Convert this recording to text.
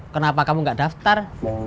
kenapa kamu gak daftar